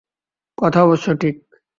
কথা অবশ্য ঠিক।